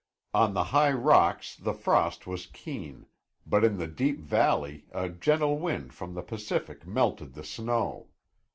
On the high rocks the frost was keen, but in the deep valley a gentle wind from the Pacific melted the snow.